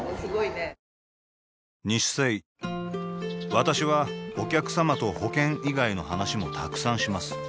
私はお客様と保険以外の話もたくさんします